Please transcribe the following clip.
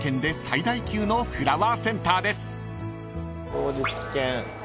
当日券。